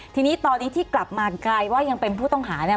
ทีนี้ตอนนี้ที่กลับมากลายว่ายังเป็นผู้ต้องหาเนี่ย